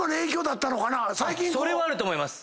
それはあると思います！